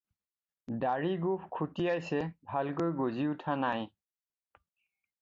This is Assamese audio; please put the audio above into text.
দাঢ়ি গোফ খুটিয়াইছে, ভালকৈ গজি উঠা নাই।